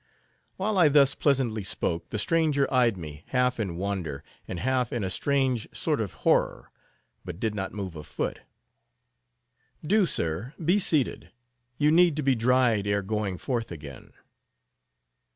While I thus pleasantly spoke, the stranger eyed me, half in wonder, and half in a strange sort of horror; but did not move a foot. "Do, sir, be seated; you need to be dried ere going forth again."